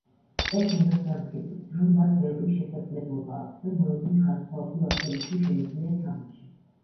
ეს იმას ამტკიცებს, რომ მას ბევრი შესაძლებლობა აქვს და მოედნის განსხვავებულ ადგილებში შეუძლია თამაში.